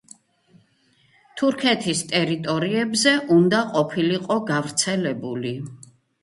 თურქეთის ტერიტორიებზე უნდა ყოფილიყო გავრცელებული.